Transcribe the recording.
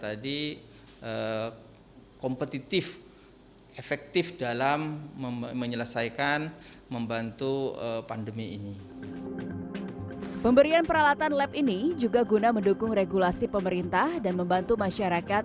menurutiti bye kompetitif efektif dalam menjelaskan membantu pandemi ini pemberian peralatanfacing juga guna mendukung regulasi pemerintah dan membantu masyarakat